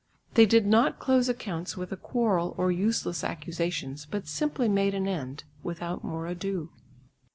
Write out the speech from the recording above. They did not close accounts with a quarrel or useless accusations, but simply made an end without more ado.